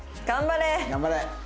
頑張れ。